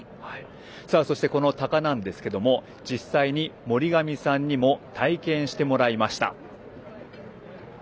そして、タカなんですが実際に森上さんにも体験してもらいました。